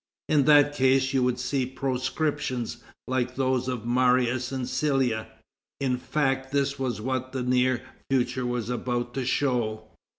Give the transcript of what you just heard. In that case you would see proscriptions like those of Marius and Sylla." In fact, this was what the near future was about to show.